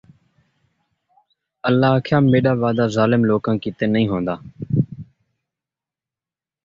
اَللہ آکھیا، میݙا وعدہ ظالم لوکاں کِیتے نھیں ہوندا ۔